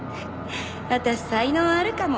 「私才能あるかも」